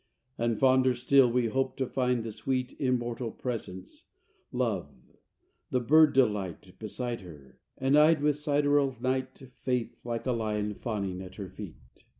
III And, fonder still, we hoped to find the sweet Immortal presence, Love; the bird Delight Beside her; and, eyed with sideral night, Faith, like a lion, fawning at her feet.